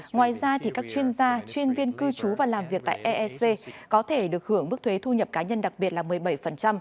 ngoài ra các chuyên gia chuyên viên cư trú và làm việc tại eec có thể được hưởng mức thuế thu nhập cá nhân đặc biệt là một mươi bảy